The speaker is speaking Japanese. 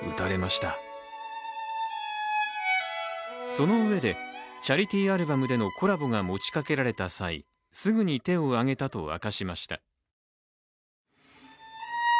そのうえでチャリティーアルバムでのコラボが持ちかけられた際すぐに手を挙げたと明かしました。